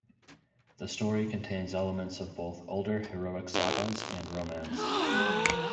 The story contains elements of both older heroic sagas and romance.